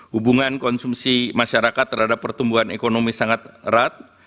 hubungan konsumsi masyarakat terhadap pertumbuhan ekonomi sangat erat